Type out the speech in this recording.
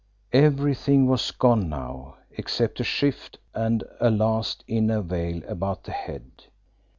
Everything was gone now, except a shift and a last inner veil about the head.